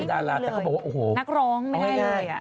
นักร้องไม่ได้เลย